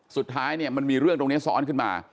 สุดท้ายเนี่ยมันมีเรื่องตรงนี้ซ้อนขึ้นมา